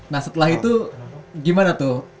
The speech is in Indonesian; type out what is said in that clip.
nah setelah itu gimana tuh